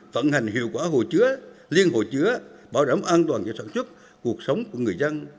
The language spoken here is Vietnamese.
vận hành hiệu quả hồ chứa liên hồ chứa bảo đảm an toàn cho sản xuất cuộc sống của người dân